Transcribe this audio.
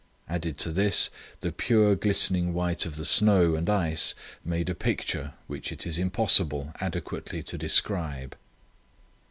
Added to this, the pure glistening white of the snow and ice made a picture which it is impossible adequately to describe.